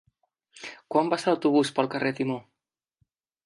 Quan passa l'autobús pel carrer Timó?